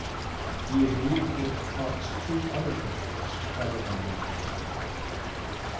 He agreed to give Fox two other pictures rather than return.